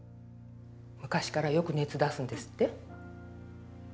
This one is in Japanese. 昔からよく熱出すんですって？